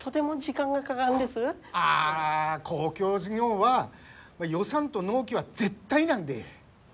ああ公共事業は予算と納期は絶対なんで。